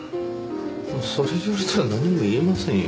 もうそれ言われたら何も言えませんよ。